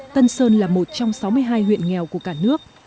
tân sơn là một trong sáu mươi hai huyện nghèo của cả nước